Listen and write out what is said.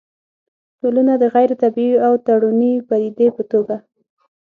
ټولنه د غيري طبيعي او تړوني پديدې په توګه